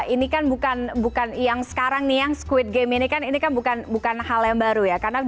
ini kan bukan yang sekarang nih yang squid game ini kan ini kan bukan hal yang baru ya